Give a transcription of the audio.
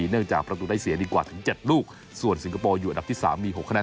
เนื่องจากประตูได้เสียดีกว่าถึง๗ลูกส่วนสิงคโปร์อยู่อันดับที่๓มี๖คณะแ